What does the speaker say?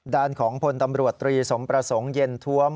ด้านของพลตำรวจตรีสมประสงค์เย็นท้วม